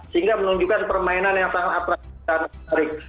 sehingga menunjukkan permainan yang sangat atraksi dan menarik